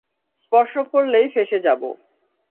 স্পর্শ করলেই ফেঁসে যাব।